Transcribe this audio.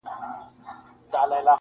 بیا حملې سوې د بازانو شاهینانو-